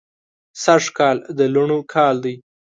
سږ کال د لوڼو کال دی